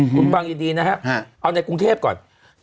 คุณฟังดีนะฮะเอาในกรุงเทพก่อน